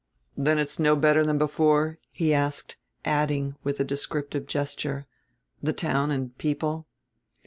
"Then it's no better than before?" he asked, adding, with a descriptive gesture: "the town and people?"